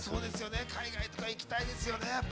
海外とか行きたいですよね。